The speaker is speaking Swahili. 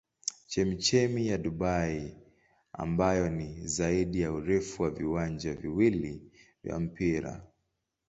Chemchemi ya Dubai ambayo ni zaidi ya urefu wa viwanja viwili vya mpira.